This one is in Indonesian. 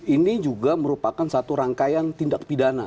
ini juga merupakan satu rangkaian tindak pidana